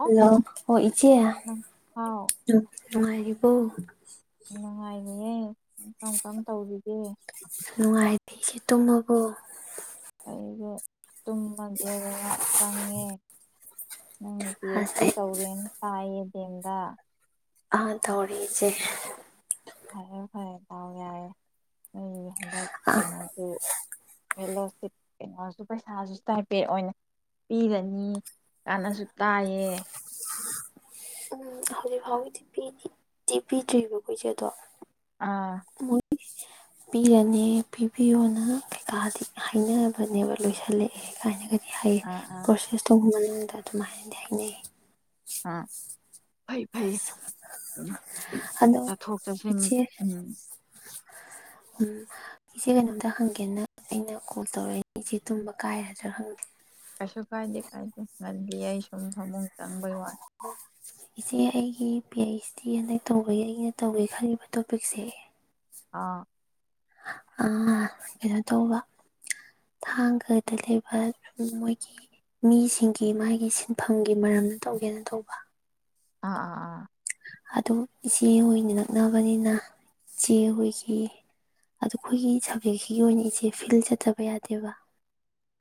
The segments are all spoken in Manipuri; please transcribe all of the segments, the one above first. ꯑꯣ ꯍꯜꯂꯣ ꯍꯣ ꯏꯆꯦ? ꯅꯪ ꯍꯥꯎ ꯅꯨꯡꯉꯥꯏꯔꯤꯕꯣ? ꯆꯦ ꯀꯔꯝ ꯀꯔꯝ ꯇꯧꯔꯤ ꯅꯨꯡꯉꯥꯏ ꯏꯆꯦ ꯇꯨꯝꯃꯕꯣ? ꯑꯕ ꯇꯨꯝꯃꯒꯦꯗꯅ ꯆꯪꯉꯦ꯫ ꯅꯪ ꯄꯤ ꯑꯩꯆ ꯑꯁ ꯗꯤ ꯑꯩ ꯇꯧꯔꯦꯅ ꯇꯥꯏꯌꯦ꯫ ꯗꯦꯝꯗ ꯑꯥ ꯇꯧꯔꯤ ꯏꯆꯦ ꯐꯔꯦ ꯐꯔꯦ ꯗꯥꯎ ꯌꯥꯏꯌꯦ ꯅꯣꯏ ꯍꯟꯗꯛ ꯀꯩꯅꯣꯁꯨ ꯍꯦꯂꯣ ꯀꯩꯅꯣꯁꯨ ꯄꯩꯁꯥꯁꯨ ꯏꯁꯇꯥꯏꯄꯦꯠ ꯑꯣꯏꯅ ꯄꯤꯒꯅꯤ ꯀꯥꯟꯅꯁꯨ ꯇꯥꯏꯌꯦ꯫ ꯎꯝ ꯍꯧꯖꯤꯛ ꯐꯥꯎꯒꯤꯗꯤ ꯄꯤꯗꯤ ꯄꯤꯗ꯭ꯔꯤꯕꯀꯣ ꯏꯆꯦ ꯑꯗꯣ ꯑꯥ ꯄꯤꯔꯅꯦ ꯄꯤꯕꯤꯌꯣꯅ ꯀꯩꯀꯥꯗꯤ ꯍꯥꯏꯅꯕꯅꯦꯕ ꯂꯣꯏꯁꯤꯜꯂꯛꯑꯦ ꯀꯥꯏꯅꯒ ꯍꯥꯏ ꯑꯥ ꯑꯥ ꯄ꯭ꯔꯣꯁꯦꯁꯇꯣ ꯉꯂꯤ ꯑꯗꯨꯃꯥꯏꯅꯗꯤ ꯍꯥꯏꯅꯩꯌꯦ ꯑ ꯐꯩ ꯐꯩ ꯎ ꯑꯗꯣ ꯆꯠꯊꯣꯛ ꯆꯠꯁꯤꯟ ꯏꯆꯦ ꯎꯝ ꯎꯝ ꯏꯆꯦ ꯀꯩꯅꯣꯝꯇ ꯍꯪꯒꯦꯅ ꯑꯩꯅ ꯀꯣꯜ ꯇꯧꯔꯛꯏꯅꯦ ꯏꯆꯦ ꯇꯨꯝꯕ ꯀꯥꯏꯔꯗ꯭ꯔꯥ ꯈꯪꯗꯦ꯫ ꯀꯩꯁ ꯀꯥꯏꯗꯦ ꯀꯥꯏꯗꯦ ꯉꯜꯂꯤꯌꯦ ꯑꯩꯁꯨ꯫ ꯎꯝ ꯍ ꯆꯪꯕꯩ ꯋꯥꯔ ꯏꯆꯦ ꯑꯩꯒꯤ ꯄꯤ ꯑꯩꯩꯆ ꯗꯤ ꯍꯟꯗꯛ ꯇꯧꯕꯒꯤ ꯑꯩꯅ ꯇꯧꯒꯦ ꯈꯜꯂꯤꯕ ꯇꯣꯄꯤꯛꯁꯦ ꯑꯥ ꯀꯩꯅꯣ ꯇꯧꯕ ꯊꯥꯡꯒꯗ ꯂꯩꯕ ꯃꯣꯏꯒꯤ ꯃꯤꯁꯤꯡꯒꯤ ꯃꯥꯒꯤ ꯁꯤꯟꯐꯝꯒꯤ ꯃꯔꯝꯗ ꯇꯧꯒꯦꯅ ꯇꯧꯕ ꯑꯥ ꯑꯥ ꯑꯥ ꯑꯗꯨꯝ ꯏꯆꯦ ꯍꯣꯏꯅ ꯅꯛꯅꯕꯅꯤꯅ ꯏꯆꯦ ꯍꯣꯏꯒꯤ ꯑꯗꯨ ꯑꯩꯈꯣꯏꯒꯤ ꯁꯕꯖꯦꯛꯁꯤꯒꯤ ꯑꯣꯏꯅ ꯏꯆꯦ ꯐꯤꯜ ꯆꯠꯇꯕ ꯌꯥꯗꯦꯕ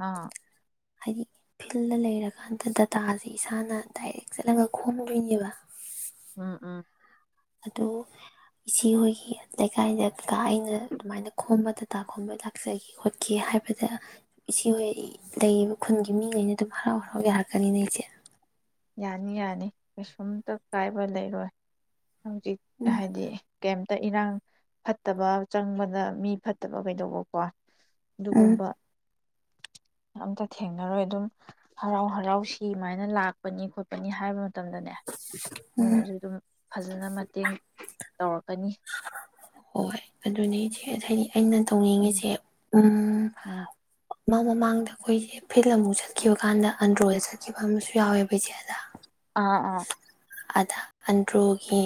ꯑꯥ ꯍꯥꯏꯗꯤ ꯐꯤꯜꯗ ꯂꯩꯔꯀꯥꯟꯗ ꯗꯇꯥꯁꯦ ꯏꯁꯥꯅ ꯗꯥꯏꯔꯦꯛ ꯆꯠꯂꯒ ꯈꯣꯝꯃꯣꯏꯅꯦꯕ ꯎꯝ ꯎꯝ ꯑꯗꯨ ꯏꯆꯦꯍꯣꯏꯒꯤ ꯂꯩꯀꯥꯏꯗꯀ ꯑꯩꯅ ꯑꯗꯨꯃꯥꯏꯅ ꯈꯣꯝꯕ ꯇꯇꯥ ꯈꯣꯝꯕ ꯂꯥꯛꯆꯒꯦ ꯈꯣꯠꯀꯦ ꯍꯥꯏꯕꯗ ꯏꯆꯦꯍꯣꯏ ꯂꯩꯔꯤꯕ ꯈꯨꯟꯒꯤ ꯃꯤꯉꯩꯅ ꯑꯗꯨꯝ ꯍꯔꯥꯎ ꯍꯔꯥꯎ ꯌꯥꯔꯛꯀꯅꯤꯅꯦ ꯑꯩꯁꯦ ꯌꯥꯅꯤ ꯌꯥꯅꯤ ꯀꯩꯁꯨꯝꯇ ꯀꯥꯏꯕ ꯂꯩꯔꯣꯏ ꯍꯧꯖꯤꯛ ꯎꯝ ꯍꯥꯏꯗꯤ ꯀꯦꯝ ꯇ ꯏꯔꯥꯡ ꯐꯠꯇꯕ ꯆꯪꯕꯗ ꯃꯤ ꯐꯠꯇꯕ ꯀꯩꯗꯧꯕꯀꯣ ꯎꯝ ꯑꯗꯨꯒꯨꯝꯕ ꯑꯝꯇ ꯊꯦꯡꯅꯔꯣꯏ ꯑꯗꯨꯝ ꯍꯔꯥꯎ ꯍꯔꯥꯎ ꯁꯤꯃꯥꯏꯅ ꯂꯥꯛ ꯈꯣꯠꯄꯅꯤ ꯈꯣꯠꯄ ꯍꯥꯏꯕ ꯃꯇꯝꯗꯅꯦ ꯎꯝ ꯃꯣꯏꯅꯁꯨ ꯑꯗꯨꯝ ꯐꯖꯅ ꯃꯇꯦꯡ ꯇꯧꯔꯛꯀꯅꯤ ꯍꯣꯏ ꯑꯗꯨꯅꯤ ꯍꯥꯏꯗꯤ ꯑꯩꯅ ꯎꯝ ꯇꯣꯡꯅꯤꯡꯉꯤꯁꯦ ꯎꯝ ꯎꯝ ꯃ ꯃꯃꯥꯡꯗ ꯑꯩꯈꯣꯏꯁꯦ ꯐꯤꯜ ꯑꯃꯨꯛ ꯆꯠꯈꯤꯕ ꯀꯥꯟꯗ ꯑꯟꯗ꯭ꯔꯣꯗ ꯆꯠꯈꯤꯕ ꯑꯃꯁꯨ ꯌꯥꯎꯋꯦꯕ ꯏꯩꯆꯦ ꯑꯗ ꯑꯥ ꯑꯥ ꯑꯗ ꯑꯟꯗ꯭ꯔꯣꯒꯤ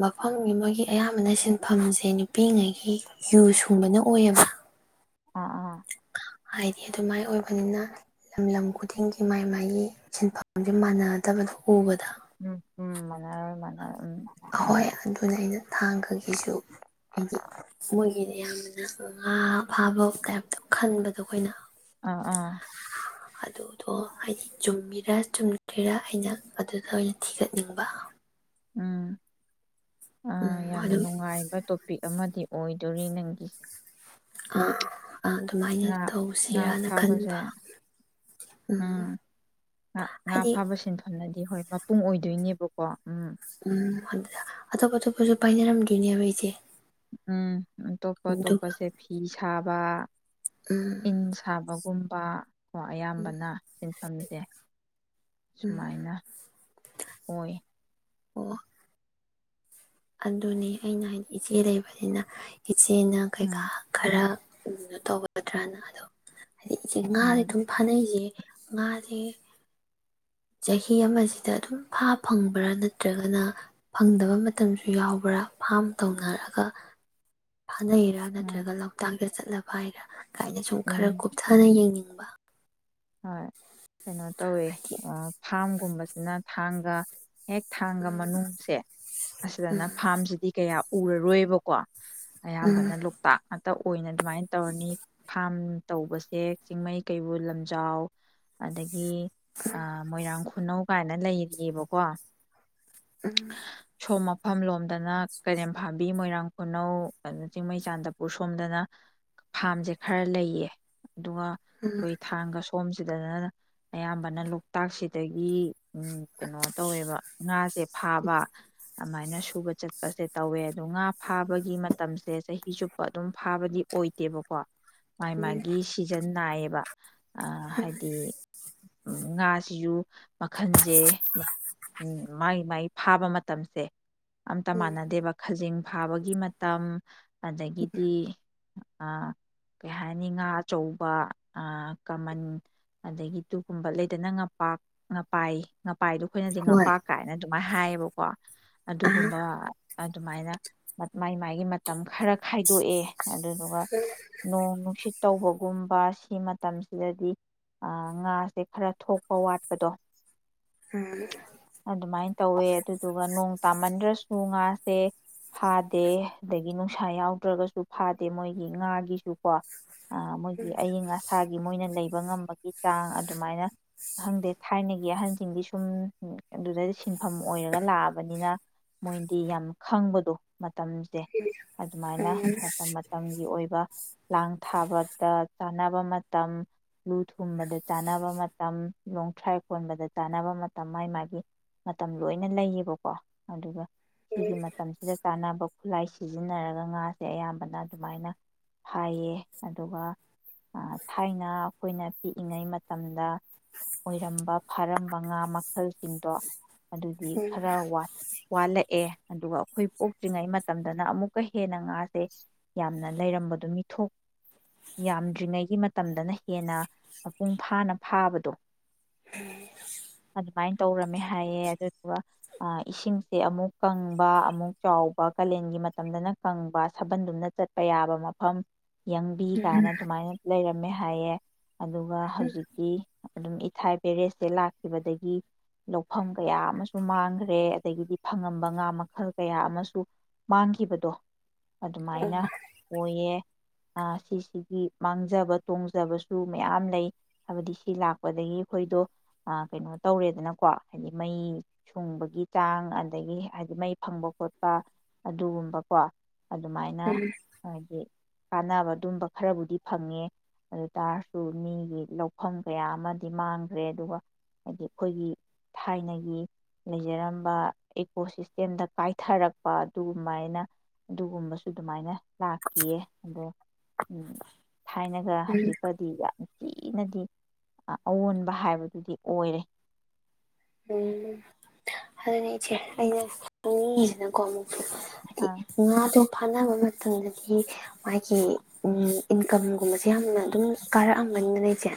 ꯃꯐꯝ ꯑꯃꯒꯤ ꯑꯌꯥꯝꯕꯅ ꯁꯤꯟꯐꯝꯁꯦ ꯅꯨꯄꯤꯉꯩꯒꯤ ꯌꯨ ꯁꯨꯡꯕꯅ ꯑꯣꯏꯌꯦꯕ ꯑꯥ ꯑꯥ ꯍꯥꯏꯗꯤ ꯑꯗꯨꯃꯥꯏ ꯑꯣꯏꯕꯅꯤꯅ ꯂꯝ ꯂꯝ ꯈꯨꯗꯤꯡꯒꯤ ꯃꯥꯏ ꯃꯥꯒꯤ ꯁꯤꯟꯐꯝꯁꯦ ꯃꯥꯟꯅꯗꯕꯗꯣ ꯎꯕꯗ ꯎꯝ ꯎꯝ ꯃꯅꯔꯣꯏ ꯃꯅꯔ ꯍꯣꯏ ꯑꯗꯨꯅ ꯑꯩꯅ ꯊꯥꯡ ꯈꯒꯤꯁꯨ ꯍꯥꯏꯗꯤ ꯃꯣꯏꯒꯤꯗ ꯑꯌꯥꯝꯕꯅ ꯉꯥ ꯐꯥꯕ ꯇꯥꯏꯞꯇꯣ ꯈꯟꯕꯗꯣ ꯑꯩꯈꯣꯏꯅ ꯑꯥ ꯑꯥ ꯑꯗꯨꯗꯣ ꯍꯥꯏꯗꯤ ꯆꯨꯝꯃꯤꯔꯥ ꯆꯨꯝꯗ꯭ꯣꯏꯔꯥ ꯑꯩꯅ ꯑꯗꯨꯗ ꯑꯣꯏꯅ ꯊꯤꯒꯠꯅꯤꯡꯕ ꯎꯝ ꯑ ꯎꯝ ꯌꯥꯝ ꯑꯗꯨꯝ ꯅꯨꯡꯉꯥꯏꯕ ꯇꯣꯄꯤꯛ ꯑꯃꯗꯤ ꯑꯣꯏꯗꯣꯔꯤ ꯅꯪꯒꯤꯁꯦ ꯑ ꯉꯥ ꯉꯥ ꯐꯥꯕꯁꯦ ꯎꯝ ꯉ ꯉꯥ ꯍꯥꯏꯗꯤ ꯐꯥꯕ ꯁꯤꯟꯐꯝꯅꯗꯤ ꯍꯣꯏ ꯃꯄꯨꯡ ꯑꯣꯏꯗꯣꯏꯅꯦꯕꯀꯣ ꯎꯝ ꯎꯝ ꯑꯗꯨꯗ ꯑꯇꯣꯞ ꯑꯇꯣꯞꯄꯁꯨ ꯄꯥꯏꯅꯔꯝꯗꯣꯏꯅꯦꯕ ꯑꯩꯁꯦ ꯎꯝ ꯎ ꯇꯣꯞꯄ ꯑꯗꯨꯒ ꯇꯣꯞꯄꯁꯦ ꯐꯤꯤꯁ ꯁꯥꯥꯕ ꯎꯝ ꯏꯟ ꯁꯥꯕꯒꯨꯝꯕ ꯀꯣ ꯎꯝ ꯑꯌꯥꯝꯕꯅ ꯊꯝꯖꯦ ꯎꯝ ꯁꯨꯃꯥꯏꯅ ꯑꯣꯏ ꯑꯣ ꯑꯗꯨꯅꯤ ꯑꯩꯅ ꯍꯥꯏꯗꯤ ꯏꯆꯦ ꯂꯩꯕꯅꯤꯅ ꯏꯆꯦꯅ ꯀꯩꯀꯥ ꯎꯝ ꯈꯔ ꯎꯅ ꯇꯧꯒꯗ꯭ꯔꯅ ꯑꯗꯣ ꯍꯥꯏꯗꯤ ꯏꯆꯦ ꯉꯥꯁꯦ ꯎꯝ ꯑꯗꯨꯝ ꯐꯥꯅꯩꯁꯦ ꯉꯥꯁꯦ ꯆꯍꯤ ꯑꯃꯁꯤꯗ ꯑꯗꯨꯝ ꯐꯥ ꯐꯪꯕ꯭ꯔꯥ ꯅꯠꯇ꯭ꯔꯒꯅ ꯐꯪꯗꯕ ꯃꯠ ꯃꯇꯝꯁꯨ ꯌꯥꯎꯕ꯭ꯔꯥ ꯐꯥꯝ ꯇꯧꯅꯔꯒ ꯐꯥꯅꯩꯔꯥ ꯎꯝ ꯅꯠꯇ꯭ꯔꯒ ꯂꯣꯛꯇꯥꯛꯗ ꯆꯠꯂꯒ ꯄꯥꯏꯔ ꯀꯥꯏꯅ ꯁꯨꯝ ꯈꯔ ꯎꯝ ꯀꯨꯞꯊꯅ ꯌꯦꯡꯅꯤꯡ ꯕꯥ ꯍꯣꯏ꯫ ꯀꯩꯅꯣ ꯇꯧꯋꯦ ꯑ ꯐꯥꯝ ꯀꯨꯝꯕꯁꯤꯅ ꯊꯥꯡꯒ ꯍꯦꯛ ꯊꯥꯡꯒ ꯃꯅꯨꯡꯁꯦ ꯑꯁꯤꯗꯅ ꯐꯥꯝꯁꯤꯗꯤ ꯀꯌꯥ ꯎꯔꯔꯣꯏꯕꯀꯣ꯫ ꯎꯝ ꯑꯌꯥꯝꯕꯅ ꯂꯣꯛꯇꯥꯛ ꯇ ꯑꯣꯏꯅ ꯑꯗꯨꯨꯃꯥꯏꯅ ꯇꯧꯔꯅꯤ ꯐꯥꯝ ꯇꯧꯕꯁꯦ ꯆꯤꯡꯃꯩ ꯀꯩꯕꯨꯜ ꯂꯝ ꯖꯥꯎ ꯑꯗꯒꯤ ꯒꯤ ꯃꯣꯏꯔꯥꯡ ꯈꯨꯅꯧ ꯃꯥꯏꯅ ꯂꯩꯔꯤꯌꯦꯕꯀꯣ ꯁꯣ ꯃ ꯃꯐꯝ ꯂꯣꯝꯗꯅ ꯀꯩꯔꯦꯝ ꯐꯥꯝꯕꯤ ꯃꯣꯏꯔꯥꯡ ꯈꯨꯅꯧ ꯀꯩꯅꯣ ꯆꯤꯡꯃꯩ ꯆꯥꯟꯗꯄꯨꯔ ꯁꯣꯝꯗꯅ ꯐꯥꯔꯝꯁꯦ ꯈꯔ ꯂꯩꯌꯦ꯫ ꯗꯨꯉꯥ ꯈꫭꯏ ꯑꯥꯡꯒ ꯁꯣꯝꯁꯤꯗꯅ ꯑꯌꯥꯝꯕꯅ ꯂꯣꯛꯇꯥꯛꯁꯤꯗꯒꯤ ꯎꯝ ꯀꯩꯅꯣ ꯇꯧꯋꯦꯕ ꯉꯥꯁꯦ ꯐꯥꯕ꯫ ꯑꯃꯥꯏꯅ ꯁꯨꯕ ꯆꯠꯄꯁꯦ ꯇꯧꯋꯦ ꯑꯗꯣ ꯉꯥ ꯐꯥꯕꯒꯤ ꯃꯇꯝꯁꯦ ꯆꯍꯤ ꯆꯨꯞꯄ ꯑꯗꯨꯝ ꯐꯥꯕꯗꯤ ꯑꯣꯏꯗꯦꯕꯀꯣ꯫ ꯃꯥꯥꯏ ꯃꯥꯒꯤ ꯁꯤꯖꯟ ꯅꯥꯏꯌꯦ꯫ ꯑ ꯍꯥꯏꯗꯤ ꯎꯝ ꯉꯥꯁꯤꯖꯨ ꯃꯈꯟꯁꯦ ꯃꯥꯏ ꯃꯥꯏ ꯐꯥꯕ ꯃꯇꯝꯁꯦ ꯑꯝꯇ ꯃꯥꯟꯅꯗꯦꯕ ꯈꯖꯤꯡ ꯐꯥꯕꯒꯤ ꯃꯇꯝ ꯑꯗꯒꯤꯗꯤ ꯑ ꯀꯩ ꯍꯥꯏꯅꯤ ꯉꯥ ꯑꯆꯧꯕ ꯑꯥ ꯀꯃꯟ ꯑꯗꯒꯤ ꯑꯗꯨꯒꯨꯒꯨꯝꯕ ꯂꯩꯗꯅ ꯉꯄꯥ ꯉꯄꯥꯏ ꯄꯥꯏꯗꯣ ꯑꯩꯈꯣꯏꯅꯗꯤ ꯍꯣꯏ ꯉꯝꯄꯥꯛ ꯀꯥꯏꯅ ꯑꯗꯨꯝ ꯍꯥꯏꯌꯦꯕꯀꯣ ꯑꯥ ꯑꯗꯨꯒꯨꯝꯕ ꯑꯗꯨꯃꯥꯏꯅ ꯃꯥꯏ ꯃꯥꯥꯏꯒꯤ ꯃꯇꯝ ꯈꯔ ꯈꯥꯏꯗꯣꯛꯑꯦ ꯑꯗꯨꯗꯨꯒ ꯅꯣꯡ ꯅꯨꯡꯁꯤꯠ ꯇꯧꯕꯒꯨꯝꯕ ꯁꯤ ꯃꯇꯝꯁꯤꯗꯗꯤ ꯉꯥꯁꯦ ꯈꯔ ꯊꯣꯛꯄ ꯋꯥꯠꯄꯗꯣ ꯎꯝ ꯑꯗꯨꯃꯥꯏꯅ ꯇꯧꯋꯦ ꯑꯗꯨꯗꯨꯒ ꯅꯣꯡ ꯇꯥꯃꯟꯗ꯭ꯔꯁꯨ ꯎ ꯉꯥꯁꯦ ꯐꯥꯗꯦ ꯑꯗꯒꯤ ꯅꯨꯡꯁꯥ ꯌꯥꯎꯗ꯭ꯔꯒꯁꯨ ꯐꯥꯗꯦ ꯃꯣꯏꯒꯤ ꯉꯥꯒꯤꯁꯨꯀꯣ ꯑ ꯃꯣꯏꯒꯤ ꯑꯏꯪ ꯑꯁ ꯁꯥꯒꯤ ꯃꯣꯏꯅ ꯂꯩ ꯉꯝꯕꯒꯤ ꯛ ꯆꯥꯡ ꯑꯗꯨꯃꯥꯏꯅ ꯍꯪꯗꯦ ꯊꯥꯏꯅꯒꯤ ꯑꯍꯟꯁꯤꯡꯗꯤ ꯁꯨꯝ ꯑꯗꯨꯗ ꯁꯤꯟ ꯃꯐꯝ ꯑꯣꯏꯔꯒ ꯂꯥꯛꯑꯕꯅꯤꯅ ꯃꯣꯏꯗꯤ ꯌꯥꯝ ꯈꯪꯕꯗꯣ ꯃꯇꯝꯁꯦ ꯑꯗꯨꯃꯥꯏꯅ ꯃꯇꯝ ꯃꯇꯝꯒꯤ ꯑꯣꯏꯕ ꯂꯥꯡ ꯊꯥꯕꯗ ꯆꯥꯅꯕ ꯃꯇꯝ ꯂꯨ ꯊꯨꯝꯕꯗ ꯆꯥꯅꯕ ꯃꯇꯝ ꯂꯣꯡ ꯇ꯭ꯔꯥꯏ ꯀꯣꯟꯕꯗ ꯆꯥꯅꯕ ꯃꯇꯝ ꯃꯥꯥꯏ ꯃꯥꯒꯤ ꯃꯇꯝ ꯂꯣꯏꯅ ꯂꯩꯌꯦꯕꯀꯣ ꯑꯗꯨꯒ ꯁꯤꯒꯤ ꯃꯇꯝꯁꯤꯗ ꯀꯥꯟꯅꯕ ꯈꯨꯠꯂꯥꯏ ꯁꯤꯖꯤꯟꯅꯔꯒ ꯉꯥꯁꯦ ꯑꯌꯥꯝꯕꯅ ꯑꯗꯨꯃꯥꯏꯅ ꯐꯥꯏꯌꯦ ꯑꯗꯨꯒ ꯊꯥꯏꯅ ꯑꯩꯈꯣꯏꯅ ꯄꯤꯛꯏꯉꯩ ꯃꯇꯝꯗ ꯑꯣꯏꯔꯝꯕ ꯐꯥꯔꯝꯕ ꯉꯥ ꯃꯈꯜꯁꯤꯡꯗꯣ ꯑꯗꯨꯗꯤ ꯈꯔ ꯋꯥꯠꯂꯛꯑꯦ ꯑꯗꯨꯒ ꯑꯩꯈꯣꯏ ꯄꯣꯛꯇ꯭ꯔꯤꯉꯩ ꯃꯇꯝꯗꯅ ꯑꯃꯨꯛꯀ ꯍꯦꯟꯅ ꯉꯥꯁꯦ ꯌꯥꯝꯅ ꯂꯩꯔꯝꯕꯗꯣ ꯃꯤꯊꯣꯛ ꯌꯥꯝꯗ꯭ꯔꯤꯉꯩꯒꯤ ꯃꯇꯝꯗꯅ ꯍꯦꯟꯅ ꯃꯄꯨꯡ ꯐꯥꯅ ꯐꯥꯕꯗꯣ ꯑ ꯃꯥꯏ ꯇꯧꯔꯝꯃꯦ ꯍꯥꯏꯌꯦ ꯑꯗꯨꯗꯨꯒ ꯏꯁꯤꯡꯁꯦ ꯑꯃꯨꯛ ꯀꯪꯕ ꯑꯃꯨꯛ ꯆꯥꯎꯕ ꯀꯥꯂꯦꯟꯒꯤ ꯃꯇꯝꯗꯅ ꯀꯪꯕ ꯁꯥꯕꯟꯗꯨꯝꯅ ꯆꯠꯄ ꯌꯥꯕ ꯃꯐꯝ ꯌꯦꯡꯕꯤ ꯀꯥꯏꯅ ꯑꯗꯨꯃꯥꯏꯅ ꯂꯩꯔꯝ ꯃꯦ ꯍꯥꯏꯌꯦ ꯑꯗꯨꯒ ꯍꯧꯖꯤꯛꯇꯤ ꯑꯗꯨꯝ ꯏꯊꯥꯏ ꯄꯕꯦꯔꯦꯖꯁꯦ ꯂꯥꯛꯈꯤꯕꯗꯒꯤ ꯂꯧꯐꯝ ꯀꯌꯥ ꯑꯃꯁꯨ ꯃꯥꯡꯈ꯭ꯔꯦ ꯐꯔꯦ ꯑꯗꯒꯤꯗꯤ ꯐꯪꯉꯝꯕ ꯉꯥ ꯃꯈꯜ ꯀꯌꯥ ꯑꯃꯁꯨ ꯃꯥꯡꯈꯤꯕꯗꯣ ꯑꯗꯨꯃꯥꯏꯅ ꯑꯣꯏꯌꯦ ꯑ ꯁꯤꯁꯤꯒꯤ ꯃꯥꯡꯖꯕ ꯇꯣꯡꯖꯕꯁꯨ ꯃꯌꯥꯝ ꯂꯩ ꯍꯥꯏꯕꯗꯤ ꯁꯤ ꯂꯥꯛꯄꯗꯒꯤ ꯑꯩꯈꯣꯏꯗꯣ ꯀꯩꯅꯣ ꯇꯧꯔꯦꯗꯅꯀꯣ ꯍꯥꯏꯗꯤ ꯃꯩ ꯁꯨꯡꯕꯒꯤ ꯆꯥꯡ ꯑꯗꯒꯤ ꯍꯥꯏꯗꯤ ꯃꯩ ꯐꯪꯕ ꯈꯣꯠꯄ ꯑꯗꯨꯒꯨꯝꯕꯀꯣ ꯑꯗꯨꯃꯥꯏꯅ ꯎꯝ ꯎꯝ ꯍꯥꯏꯗꯤ ꯀꯥꯟꯅꯕ ꯑꯗꯨꯝꯕ ꯈꯔꯕꯨꯗꯤ ꯐꯪꯉꯦ ꯑꯗꯨ ꯇꯥꯔꯁꯨ ꯃꯤꯒꯤ ꯂꯧꯐꯝ ꯀꯌꯥ ꯑꯃꯗꯤ ꯃꯥꯡꯈ꯭ꯔꯦ ꯑꯗꯨꯒ ꯍꯥꯏꯗꯤ ꯑꯩꯈꯣꯏꯒꯤ ꯊꯥꯏꯅꯒꯤ ꯂꯩꯖꯔꯝꯕ ꯏꯀꯣ ꯁꯤꯁꯇꯦꯝꯗ ꯀꯥꯏꯊꯔꯛꯄ ꯑꯗꯨꯒꯃꯥꯏꯅ ꯑꯗꯨꯒꯨꯝꯕꯁꯨ ꯑꯗꯨꯃꯥꯏꯅ ꯂꯥꯛꯈꯤꯌꯦ ꯑꯗꯣ ꯎ ꯊꯥꯏꯅ ꯍꯧꯖꯤꯛꯄꯗꯤ ꯅꯤꯡꯊꯤꯅꯗꯤ ꯑꯑꯣꯟꯕ ꯍꯥꯏꯕꯗꯨꯗꯤ ꯑꯣꯏꯔꯦ ꯎꯝ ꯑꯗꯨꯅꯦꯩꯅꯅ ꯀꯣꯃ ꯑꯥ ꯍꯥꯏꯗꯤ ꯉꯥꯗꯣ ꯐꯥꯅꯕ ꯑꯃ ꯃꯇꯝꯗꯗꯤ ꯃꯥꯒꯤ ꯏꯟꯀꯝꯒꯨꯝꯕꯁꯦ ꯌꯥꯝꯅ ꯑꯗꯨꯝ ꯀꯥꯔꯛꯑꯝꯕꯅꯤꯅ ꯂꯩꯁꯦ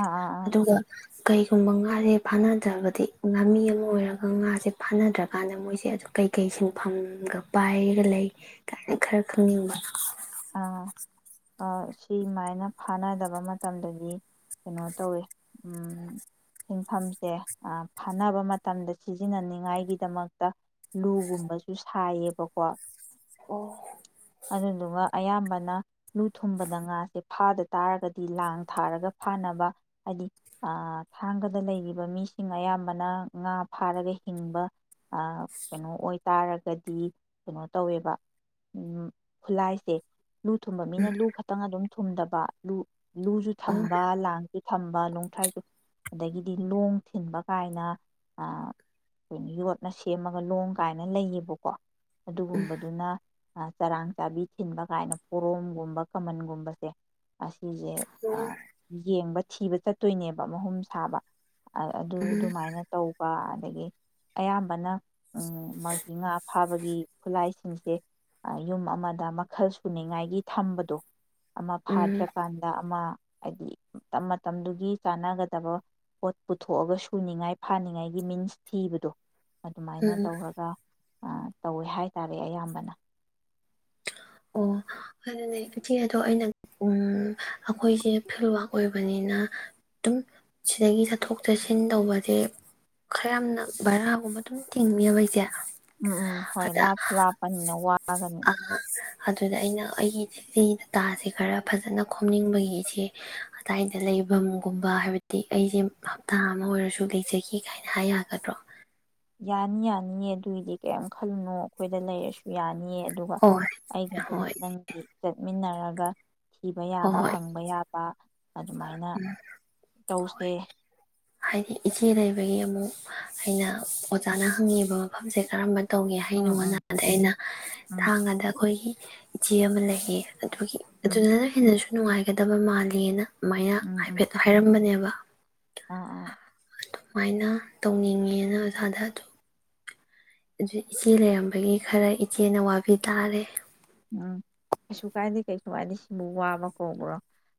ꯑꯥ ꯑꯥ ꯑꯥ ꯀꯩꯒꯨꯝꯕ ꯉꯥꯁꯦ ꯐꯥꯅꯗꯕꯗ ꯍꯥꯏꯗꯤ ꯉꯥꯃꯤ ꯑꯃ ꯑꯣꯏꯔꯒ ꯉꯥꯁꯦ ꯐꯥꯅꯗ꯭ꯔꯀꯥꯟꯗ ꯃꯣꯏꯁꯦ ꯑꯗꯨ ꯀꯩꯀꯩ ꯁꯤꯟꯐꯝꯒ ꯄꯥꯏꯒ ꯂꯩ ꯀꯥꯏꯅ ꯈꯔ ꯈꯪꯅꯤꯡꯕ ꯑ ꯁꯤꯃꯥꯏꯅ ꯐꯥꯅꯗꯕ ꯃꯇꯝꯗꯗꯤ ꯀꯩꯅꯣ ꯇꯧꯋꯦ ꯁꯤꯟꯐꯝꯁꯦ ꯐꯥꯅꯕ ꯃꯇꯝꯗ ꯁꯤꯖꯤꯟꯅꯅꯤꯡꯉꯥꯏꯒꯤꯗꯃꯛꯇ ꯂꯨꯒꯨꯝꯕꯁꯨ ꯁꯥꯏꯌꯦꯕꯀꯣ ꯑꯣ ꯑꯗꯨꯗ ꯑꯗꯨ ꯋꯥ ꯑꯌꯥꯝꯕꯅ ꯂꯨ ꯊꯨꯝꯕꯗ ꯉꯥꯁꯦ ꯐꯥꯗ ꯇꯥꯔꯒꯗꯤ ꯂꯥꯡ ꯊꯥꯔꯒ ꯐꯥꯅꯕ ꯍꯥꯏꯗꯤ ꯊꯥꯡꯒꯗ ꯂꯩꯔꯤꯕ ꯃꯤꯁꯤꯡ ꯑꯌꯥꯝꯕꯅ ꯉꯥ ꯐꯥꯔꯒ ꯍꯤꯡꯕ ꯀꯩꯅꯣ ꯑꯣꯏꯇꯥꯔꯒꯗꯤ ꯀꯩꯅꯣ ꯇꯧꯋꯦꯕ ꯈꯨꯂꯥꯏꯁꯦ ꯂꯨ ꯊꯨꯝꯕ ꯃꯤꯅ ꯂꯨ ꯈꯛꯇꯪ ꯑꯗꯨꯝ ꯊꯨꯝꯗꯕ ꯂꯨ ꯂꯨꯁꯨ ꯊꯝꯕ ꯂꯥꯡꯁꯨ ꯊꯝꯕ ꯂꯣꯡꯊ꯭ꯔꯥꯏꯁꯨ ꯑꯗꯒꯤꯗꯤ ꯂꯣꯡ ꯊꯤꯟꯕ ꯀꯥꯏꯅ ꯀꯩꯅꯣ ꯌꯣꯠꯅ ꯁꯦꯝꯃꯒ ꯂꯣꯡ ꯀꯥꯏꯅ ꯂꯩꯌꯦꯕꯀꯣ ꯑꯗꯨꯒꯨꯝꯕꯗꯨꯅ ꯆꯔꯥꯡ ꯆꯥꯕꯤ ꯊꯤꯟꯕ ꯁꯨꯃꯥꯏꯅ ꯄꯣꯔꯣꯝꯒꯨꯝꯕ ꯀꯃꯟꯒꯨꯝꯕꯁꯦ ꯑꯁꯤꯁꯦ ꯌꯦꯡꯕ ꯊꯤꯕ ꯆꯠꯇꯣꯏꯅꯦꯕ ꯃꯍꯨꯝ ꯁꯥꯕ ꯑꯗꯨ ꯎꯝ ꯑꯗꯨꯃꯥꯏꯅ ꯇꯧꯕ ꯑꯗꯒꯤ ꯑꯌꯥꯝꯕꯅ ꯎꯝ ꯃꯥ ꯏ ꯐꯥꯕꯒꯤ ꯈꯨꯠꯂꯥꯏꯁꯤꯡꯁꯦ ꯌꯨꯝ ꯑꯃꯗ ꯃꯈꯜ ꯄꯨꯨꯅꯤꯡꯉꯥꯏꯒꯤ ꯊꯝꯕꯗꯣ ꯑꯃ ꯎꯝ ꯐꯥꯗ꯭ꯔꯀꯥꯟꯗ ꯑꯃ ꯍꯥꯏꯗꯤ ꯃꯇꯝ ꯃꯇꯝꯗꯨꯒꯤ ꯆꯥꯅꯒꯗꯕ ꯄꯣꯠ ꯄꯨꯊꯣꯛꯑꯒ ꯁꯨꯅꯤꯡꯉꯥꯏ ꯐꯥꯅꯤꯡꯉꯥꯏꯒꯤ ꯃꯤꯟꯁ ꯊꯤꯕꯗꯣ ꯑꯗꯨꯃꯥꯏꯅ ꯎꯝ ꯇꯧꯔꯒ ꯇꯧꯋꯦ ꯍꯥꯏꯇꯥꯔꯦ ꯑꯌꯥꯝꯕꯅ ꯑꯣ ꯑꯗꯨꯅꯦ ꯎꯆꯦꯛ ꯑꯗꯣ ꯑꯩꯅ ꯑꯩꯈꯣꯏꯁꯦ ꯐꯤꯜꯋꯥꯛ ꯑꯣꯏꯕꯅꯤꯅ ꯑꯗꯨꯝ ꯁꯤꯗꯒꯤ ꯆꯠꯊꯣꯛ ꯆꯠꯁꯤꯟ ꯇꯧꯕꯁꯦ ꯈꯔ ꯌꯥꯝꯅ ꯚꯔꯥꯒꯨꯝꯕ ꯑꯗꯨꯝ ꯇꯤꯡꯃꯤꯕ ꯏꯆꯦ ꯎꯝ ꯎꯝ ꯍꯣꯏ ꯂꯥꯞꯁꯨ ꯂꯥꯞꯄꯅꯤꯅ ꯋꯥ ꯑ ꯑꯗꯨꯗ ꯑꯩꯅ ꯑꯩꯒꯤ ꯂꯤ ꯗꯇꯥꯁꯦ ꯈꯔ ꯐꯖꯅ ꯈꯣꯝꯅꯤꯡꯕꯒꯤꯁꯦ ꯑꯗꯥꯏꯗ ꯂꯩꯐꯝꯒꯨꯝꯕ ꯍꯥꯏꯕꯗꯤ ꯑꯩꯁꯦ ꯍꯞꯇꯥ ꯑꯃ ꯑꯣꯏꯔꯁꯨ ꯂꯩꯖꯈꯤ ꯀꯥꯏꯅ ꯍꯥꯏ ꯌꯥꯒꯗ꯭ꯔꯣ ꯌꯥꯅꯤ ꯌꯥꯅꯤꯌꯦ ꯑꯗꯨꯏꯗꯤ ꯀꯔꯤꯝ ꯈꯜꯂꯨꯅꯣ ꯑꯩꯈꯣꯏꯗ ꯂꯩꯔꯁꯨ ꯌꯥꯅꯤꯌꯦ ꯑꯗꯨꯒ ꯍꯣꯏ ꯑꯩꯒ ꯑꯗꯨꯝ ꯍꯣꯏ ꯅꯪꯒꯤ ꯆꯠꯃꯤꯟꯅꯔ ꯒ ꯊꯤꯕ ꯌꯥꯕ ꯍꯪꯕ ꯌꯥꯕ ꯑꯗꯨꯃꯥꯏꯅ ꯎꯝ ꯍꯣꯏ ꯇꯧꯁꯦ ꯍꯥꯏꯗꯤ ꯏꯆꯦ ꯂꯩꯕꯒꯤ ꯑꯃꯨꯛ ꯑꯩꯅ ꯑꯣꯖꯥꯅ ꯍꯪꯉꯕ ꯃꯐꯝꯁꯦ ꯀꯔꯝꯕ ꯇꯧꯒꯦ ꯎꯝ ꯎꯝ ꯍꯥꯏꯩꯅꯅꯨꯡꯅꯥꯗ ꯑꯩꯅ ꯎꯝ ꯊꯥꯡꯒꯗ ꯑꯩꯈꯣꯏꯒꯤ ꯟ ꯂꯩ ꯑꯗꯨꯒꯤ ꯎꯝ ꯑꯗꯨꯅꯅ ꯍꯦꯟꯅꯁꯨ ꯅꯨꯡꯉꯥꯏꯒꯗꯕ ꯃꯥꯂꯦꯅ ꯑꯗꯨꯃꯥꯏꯅ ꯍꯥꯏꯐꯦꯠꯇ ꯍꯥꯏꯔꯝꯕꯅꯦꯕ ꯑ ꯑꯥ ꯑꯗꯨꯃꯥꯏꯅ ꯇꯧꯅꯤꯡꯉꯦꯅ ꯑꯣꯖꯥꯗ ꯑꯗꯨ ꯑꯗꯨ ꯏꯆꯦ ꯂꯩꯔꯝꯕꯒꯤ ꯈꯔ ꯏꯆꯦꯅ ꯋꯥꯕꯤ ꯇꯥꯔꯦ ꯎ ꯀꯩꯁꯨ ꯀꯥꯏꯗꯦ ꯀꯩꯁꯨ ꯀꯥꯏꯗꯦ ꯁꯤꯕꯨ ꯋꯥꯕ ꯀꯧꯕ꯭ꯔꯣ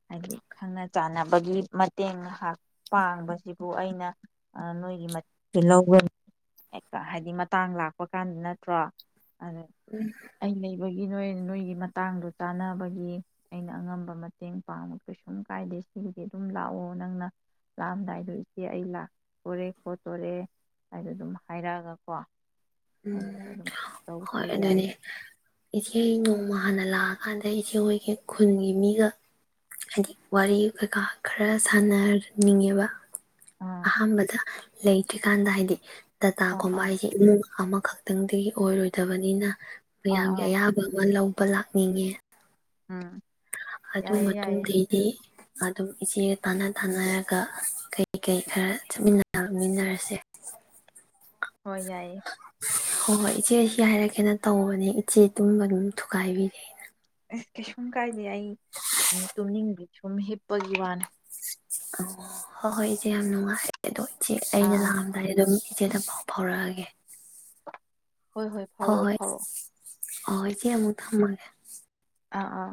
ꯍꯥꯏꯗꯤ ꯈꯪꯅ ꯆꯥꯟꯅꯕꯒꯤ ꯃꯇꯦꯡ ꯉꯍꯥꯛ ꯄꯥꯡꯕꯁꯤꯕꯨ ꯑꯩꯅ ꯅꯣꯏꯒꯤ ꯃꯇꯅꯤ ꯍꯥꯏꯗꯤ ꯃꯇꯥꯡ ꯂꯥꯛꯄ ꯀꯥꯟꯗ ꯅꯠꯇ꯭ꯔꯣ ꯑ ꯑ ꯂꯩꯕ ꯒꯤ ꯅꯣꯏ ꯅꯣꯏꯒꯤ ꯃꯇꯥꯡꯗꯣ ꯆꯥꯟꯅꯕꯒꯤ ꯑꯩꯅ ꯑꯉꯝꯕ ꯃꯇꯦꯡ ꯄꯥꯡꯕ ꯀꯩꯁꯨꯝ ꯀꯥꯏꯗꯦ ꯁꯤꯕꯨꯗꯤ ꯑꯗꯨꯝ ꯂꯥꯛꯑꯣ ꯅꯪꯅ ꯂꯥꯛꯑꯝꯗꯥꯏꯗꯣ ꯏꯆꯦ ꯑꯩ ꯂꯥꯛꯇꯣꯔꯦ ꯈꯣꯠꯇꯣꯔꯦ ꯍꯥꯏꯗꯣ ꯑꯗꯨꯝ ꯍꯥꯏꯔꯛꯑꯒꯀꯣ ꯅꯪꯒꯤꯗꯣ ꯎꯝ ꯑꯗꯨꯝ ꯍꯣꯏ ꯇꯧꯁꯦ ꯌꯥꯏ ꯑꯗꯨꯅꯦ ꯏꯆꯦ ꯅꯣꯡꯃ ꯍꯥꯟꯅ ꯂꯥꯛꯑꯀꯥꯟꯗ ꯏꯆꯦ ꯍꯣꯏꯒꯤ ꯈꯨꯟꯒꯤ ꯃꯤꯒ ꯍꯥꯏꯗꯤ ꯋꯥꯔꯤ ꯀꯩꯀꯥ ꯈꯔ ꯁꯥꯟꯅꯅꯤꯡꯉꯦꯕ ꯑꯥ ꯑꯍꯕꯗ ꯂꯩꯇ꯭ꯔꯤꯀꯥꯟꯗ ꯍꯥꯏꯗꯤ ꯑꯥ ꯇꯥꯇꯥꯒꯨꯝꯕ ꯑꯥ ꯍꯥꯏꯁꯦ ꯑꯃꯨꯛ ꯑꯃꯈꯛꯇꯪꯗꯤ ꯑꯣꯏꯔꯣꯏꯗꯕꯅꯤꯅ ꯑꯥ ꯃꯌꯥꯝꯒꯤ ꯑꯥ ꯑꯌꯥꯕ ꯑꯃ ꯂꯧ ꯂꯄ ꯂꯥꯛꯅꯤꯡꯉꯦ ꯎꯝ ꯑꯗꯨ ꯌꯥꯏꯌꯦ ꯌꯥꯏꯌꯦ ꯃꯇꯨꯡꯗꯩꯗꯤ ꯑꯗꯨ ꯑꯗꯨꯝ ꯇꯅ ꯊꯅꯒ ꯀꯩ ꯀꯩ ꯈꯔ ꯆꯠꯃꯤꯟꯅꯃꯤꯟꯅꯔꯁꯦ ꯍꯣꯏ ꯌꯥꯏꯌꯦ ꯍꯣꯏ ꯍꯣꯏ ꯏꯆꯦ ꯑꯁꯤ ꯍꯥꯏꯔꯛꯀꯦꯅ ꯇꯧꯕꯅꯦ ꯏꯆꯦ ꯇꯨꯝꯕ ꯑꯗꯨꯝ ꯊꯨꯒꯥꯏꯕꯤꯔꯦ ꯑꯁ ꯀꯩꯁꯨꯝ ꯀꯥꯏꯗꯦ ꯑꯩ ꯇꯨꯝꯅꯤꯡꯗꯦ ꯁꯨꯝ ꯍꯤꯞꯄꯒꯤ ꯋꯥꯅꯤ ꯍꯣꯏ ꯍꯣꯏ ꯏꯆꯦ ꯌꯥꯝ ꯅꯨꯡꯉꯥꯏꯔꯦ ꯑꯗꯣ ꯁꯤ ꯑꯥ ꯑꯩꯅ ꯑꯥ ꯂꯥꯛꯑꯝꯗꯥꯏ ꯑꯗꯨꯝ ꯏꯆꯦꯗ ꯄꯥꯎ ꯐꯥꯎꯔꯛꯑꯒꯦ ꯍꯣꯏ ꯍꯣꯏ ꯐꯥꯎꯔꯛꯑꯣ ꯐꯥꯎꯔꯛꯑꯣ ꯍꯣꯏ ꯏꯆꯦ ꯑꯃꯨꯛ ꯊꯝꯃꯒꯦ ꯑꯥ ꯑꯥ